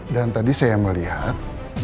dan tadi saya melihat